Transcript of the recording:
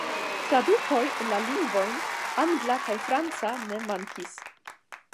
Tradukoj en la lingvojn angla kaj franca ne mankis.